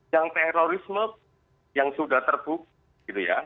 yang terorisme yang sudah terbukti gitu ya